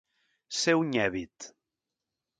Ser un nyèbit.